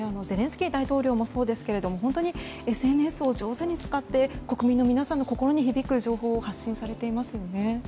ゼレンスキー大統領もそうですが本当にＳＮＳを上手に使って国民の皆さんの心に響くメッセージを発信されていますよね。